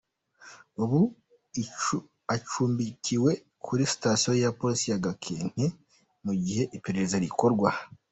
Ubu acumbikiwe kuri Sitasiyo ya Polisi ya Gakenke mu gihe iperereza rigikorwa.